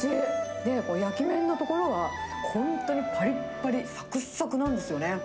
で、焼き面のところは本当にぱりっぱり、さくさくなんですよね。